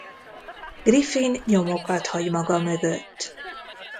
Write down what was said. Griffin nyomokat hagy maga mögött.